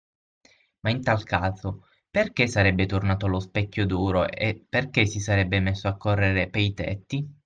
Ma in tal caso perché sarebbe tornato allo Specchio d'Oro e perché si sarebbe messo a correre pei tetti?